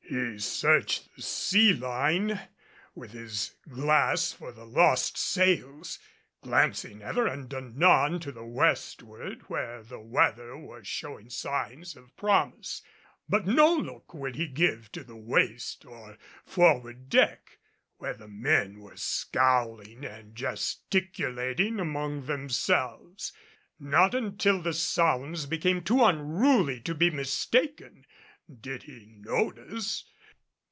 He searched the sea line with his glass for the lost sails, glancing ever and anon to the westward, where the weather was showing signs of promise; but no look would he give to the waist or forward deck, where the men were scowling and gesticulating among themselves. Not until the sounds became too unruly to be mistaken did he notice.